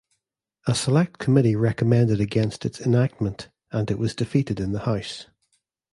A select committee recommended against its enactment and it was defeated in the house.